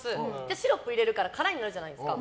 シロップ入れるから空になるじゃないですか。